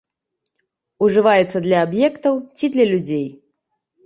Ужываецца для аб'ектаў ці для людзей.